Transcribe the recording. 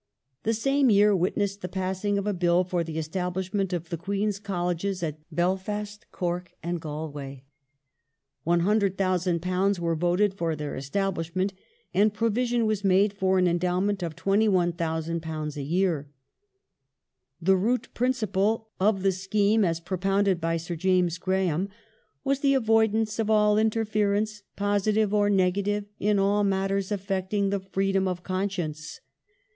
The ^rhe same year witnessed the passing of a Bill for the establish •'Godlebs Hient of the Queens Colleges at Belfast, Cork, and Gal way. £100,000 was voted for their establishment and provision was made for an endowment of £21,000 a year. The root principle of the scheme as propounded by Sir James Graham was " the avoidance of all interference positive or negative in all matters affecting the freedom of conscience".